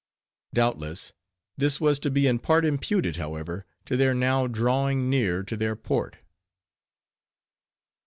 Doubtless, this was to be in part imputed, however, to their now drawing near to their port.